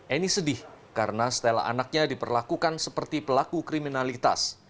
eni sedih karena stella anaknya diperlakukan seperti pelaku kriminalitas